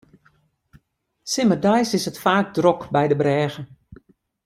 Simmerdeis is it faak drok by de brêge.